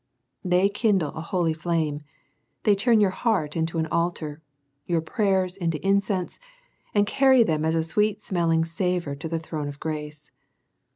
They kindle an holy flame, they turn your heart into an altar, your prayers into incense, and carry them as a sweet smelling savour to the throne of grace.